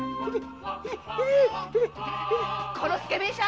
このスケベ医者。